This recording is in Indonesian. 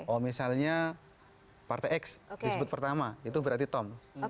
oh misalnya partai x disebut pertama itu berarti tom